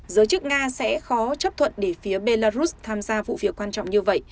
giới chức nga sẽ khó chấp thuận để phía belarus tham gia vụ việc quan trọng như vậy